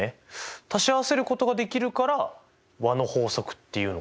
足し合わせることができるから和の法則っていうのか。